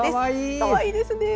かわいいですね。